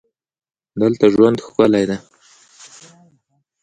دلته ژوند ښکلی دی.